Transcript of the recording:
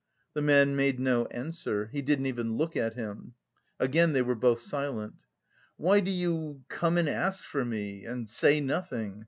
The man made no answer; he didn't even look at him. Again they were both silent. "Why do you... come and ask for me... and say nothing....